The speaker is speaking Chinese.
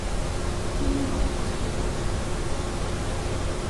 殷融之孙。